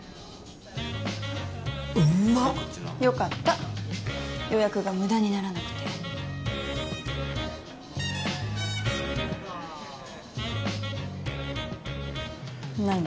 うんまっよかった予約が無駄にならなくて何？